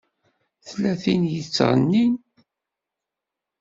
Tella tin i yettɣennin.